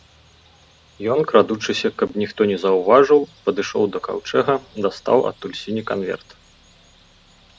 Ён, крадучыся, каб ніхто не заўважыў, падышоў да каўчэга, дастаў адтуль сіні канверт.